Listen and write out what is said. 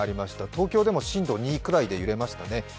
東京でも震度２くらいで揺れましたね。